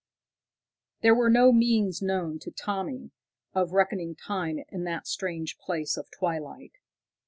_ There were no means known to Tommy of reckoning time in that strange place of twilight.